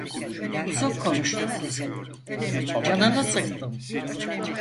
"Uzun konuştuk, Güzin!" dedi, "Canını sıktım."